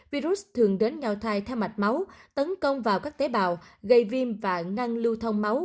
virus thường đến ngao thai theo mạch máu tấn công vào các tế bào gây viêm và ngăn lưu thông máu